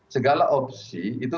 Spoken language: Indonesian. segala opsi itu